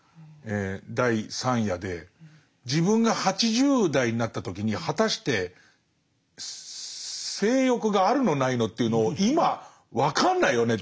第３夜で自分が８０代になった時に果たして性欲があるのないのっていうのを今分かんないよねって。